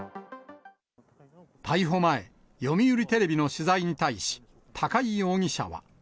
逮捕前、読売テレビの取材に対し、高井容疑者は。